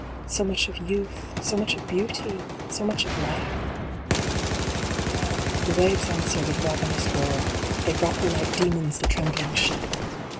So much of Youth, so much of Beauty, so much of Life ? The waves answer with ravenous roar ; They grapple like demons the trembling Ship